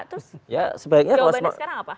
terus jawabannya sekarang apa